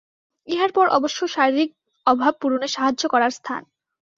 ইহার পর অবশ্য শারীরিক অভাব পূরণে সাহায্য করার স্থান।